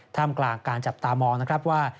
ท่ามกลางการจับตามองนะครับว่า